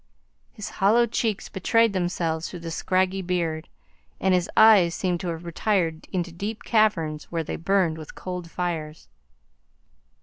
His hollow cheeks betrayed themselves through the scraggy beard, and his eyes seemed to have retired into deep caverns where they burned with cold fires.